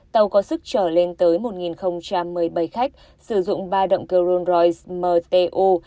tàu có sức trở lên tới một một mươi bảy khách sử dụng ba động cơ rolls royce mto